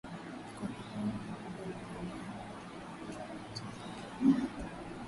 kuangalia muingiliano wa lugha na tofauti za kilahaja